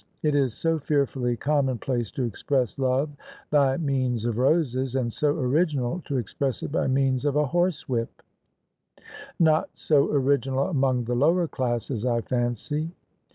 It is so fearfully common place to express love by means of roses, and so original to express it by means of a horsewhip I "" Not so original among the lower classes, I fancy."